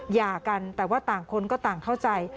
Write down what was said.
หย่ากันแต่ว่าต่างคนก็ต่างเข้าใจ